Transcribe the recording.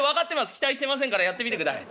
期待してませんからやってみてください。